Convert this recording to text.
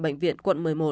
bệnh viện quận một mươi một